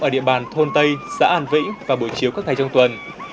ở địa bàn thôn tây xã an vĩ và bộ chiếu các thầy trong tuần